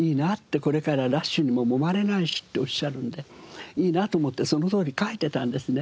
「これからラッシュにももまれないし」っておっしゃるんでいいなと思ってそのとおり書いてたんですね。